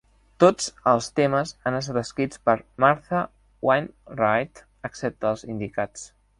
Tots els temes han estat escrits per Martha Wainwright, excepte els indicats.